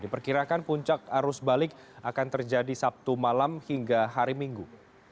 diperkirakan puncak arus balik akan terjadi sabtu malam hingga hari minggu